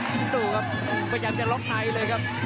สนุกครับก็ยังจะล๊อคในเลยครับ